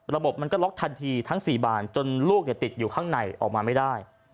ระบบมันก็ล็อกทันทีทั้ง๔บานจนลูกติดอยู่ข้างในออกมาไม่ได้